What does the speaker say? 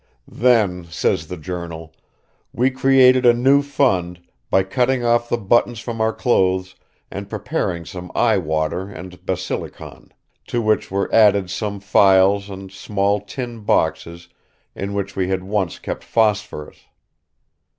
Then, says the journal, "we created a new fund, by cutting off the buttons from our clothes and preparing some eye water and basilicon, to which were added some phials and small tin boxes in which we had once kept phosphorus.